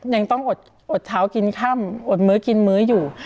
ยังต้องอดเท้ากินค่ำอดมื้อกินมื้ออยู่